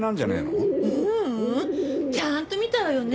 ううん！ちゃんと見たわよね